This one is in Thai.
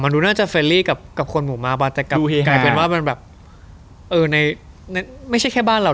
ดูน่าจะเฟรลี่กับคนหมู่มากวัตกรรมกลายเป็นว่ามันแบบเออในไม่ใช่แค่บ้านเรา